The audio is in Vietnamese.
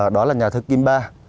đó là nhà thư kim ba